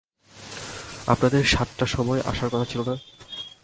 আপনাদের সাতটার সময় আসার কথা ছিল না?